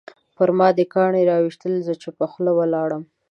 پرما دې کاڼي راویشتل زه چوپه خوله ولاړم